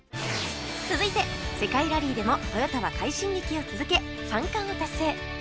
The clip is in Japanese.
続いて世界ラリーでもトヨタは快進撃を続け３冠を達成